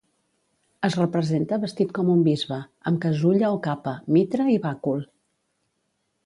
Es representa vestit com un bisbe, amb casulla o capa, mitra i bàcul.